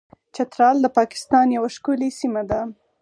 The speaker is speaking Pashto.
چترال د پاکستان یوه ښکلې سیمه ده.